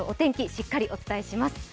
しっかりお伝えします。